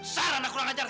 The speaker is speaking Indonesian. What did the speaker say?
saran aku orang lancar